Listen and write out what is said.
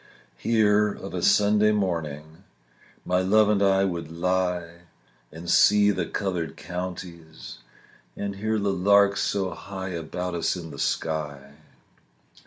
Here of a Sunday morning My love and I would lie And see the coloured counties, And hear the larks so high About us in the sky.